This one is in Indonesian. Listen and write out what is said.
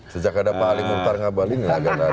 sejak ada pak ali muhtar ngabalin